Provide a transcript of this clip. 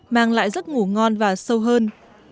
mang lại giấc ngủ ngon và sâu hơn